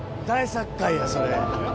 大殺界やそれ。